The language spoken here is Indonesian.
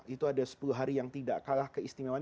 itu ada sepuluh hari yang tidak kalah keistimewaan